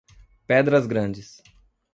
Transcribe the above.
Pedras Grandes